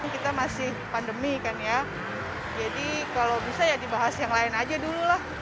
kita masih pandemi kan ya jadi kalau bisa ya dibahas yang lain aja dulu lah